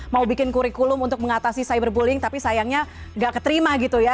mau bikin kurikulum untuk mengatasi cyberbullying tapi sayangnya nggak keterima gitu ya